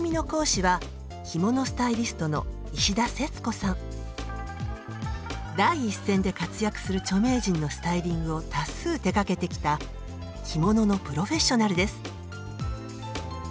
さあ番組の講師は第一線で活躍する著名人のスタイリングを多数手がけてきた着物のプロフェッショナルです。